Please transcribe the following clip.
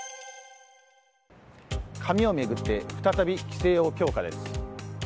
髪を巡って再び規制を強化です。